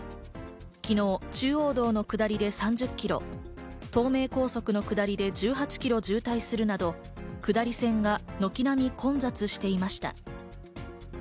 昨日、中央道下りで３０ｋｍ、東名高速下りで１８キロ渋滞するなど、下り線が軒並み混雑していました。